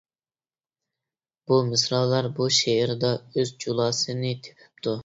بۇ مىسرالار بۇ شېئىردا ئۆز جۇلاسىنى تېپىپتۇ.